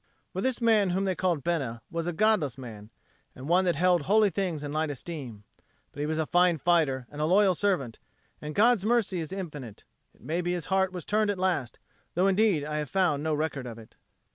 For this man whom they called Bena was a godless man, and one that held holy things in light esteem. But he was a fine fighter and a loyal servant, and God's mercy is infinite. It may be his heart was turned at last; though indeed I have found no record of it.